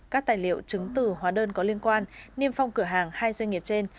các tài liệu trứng tử hóa đơn có liên quan niêm phong cửa hàng hai doanh nghiệp trên